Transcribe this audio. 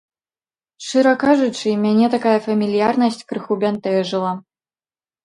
Шчыра кажучы, мяне такая фамільярнасць крыху бянтэжыла.